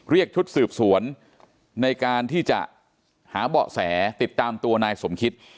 เรียกชุดสืบสวนในการที่จะหาเบาะแสติดตามตัวนายสมคิต